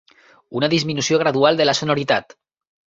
Una disminució gradual de la sonoritat